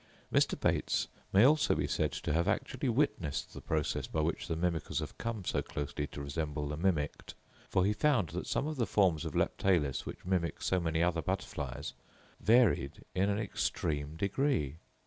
Mr. Bates may almost be said to have actually witnessed the process by which the mimickers have come so closely to resemble the mimicked; for he found that some of the forms of Leptalis which mimic so many other butterflies, varied in an extreme degree.